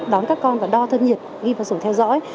đón các con và đo thân nhiệt ghi vào sổ theo dõi